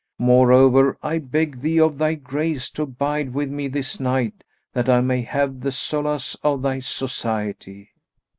Moreover, I beg thee of thy grace to abide with me this night, that I may have the solace of thy society."